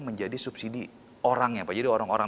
menjadi subsidi orangnya pak jadi orang orang